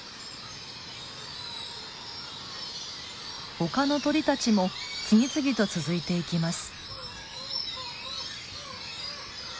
他の鳥たちも次々と続いていきます。